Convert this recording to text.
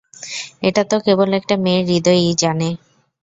এটা তো কেবল একটা মেয়ের হৃদয়ই জানে।